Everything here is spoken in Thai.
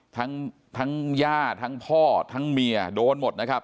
ทั้งทั้งย่าทั้งพ่อทั้งเมียโดนหมดนะครับ